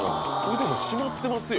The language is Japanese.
腕も締まってますよ？